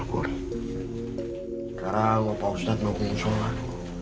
sekarang papa ustadz mau ke sholat